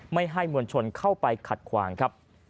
ไม่ให้มวลชนเข้าไปขัดขวางครับ